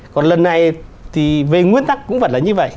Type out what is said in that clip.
còn lần này thì về nguyên tắc cũng vẫn là như vậy